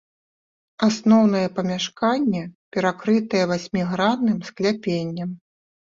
Асноўнае памяшканне перакрытае васьмігранным скляпеннем.